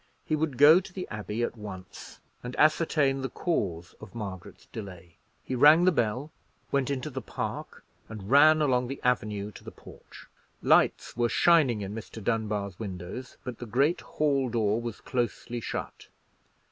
He would go to the Abbey at once, and ascertain the cause of Margaret's delay. He rang the bell, went into the park, and ran along the avenue to the perch. Lights were shining in Mr. Dunbar's windows, but the great hall door was closely shut.